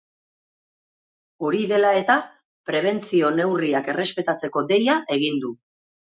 Hori dela eta, prebentzio-neurriak errespetatzeko deia egin du.